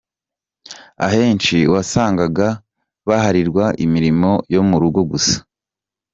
Ahenshi wasangaga baharirwa imirimo yo mu rugo gusa.